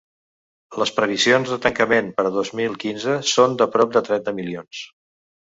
Les previsions de tancament per al dos mil quinze són de prop de trenta milions.